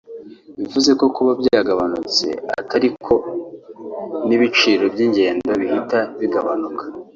bivuze ko no kuba byagabanutse atari ko n’ibiciro by’ingendo bihita bigabanuka